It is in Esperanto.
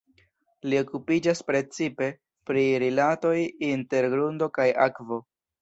Li okupiĝas precipe pri rilatoj inter grundo kaj akvo.